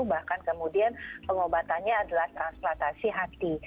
bahkan kemudian pengobatannya adalah transplantasi hati